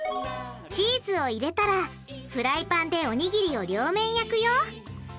チーズを入れたらフライパンでおにぎりを両面焼くよ。